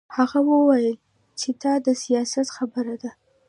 هغه وویل چې دا د سیاست خبره ده